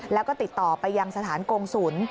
แล้วก็ติดต่อไปยังสถานกงศูนย์